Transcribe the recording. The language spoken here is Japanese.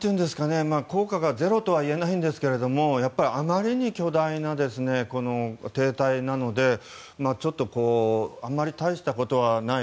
効果はゼロとはいえないですがあまりに巨大な停滞なのでちょっとあまり大したことはない。